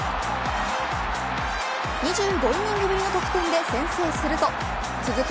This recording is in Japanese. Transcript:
２５イニングぶりの得点で先制すると続く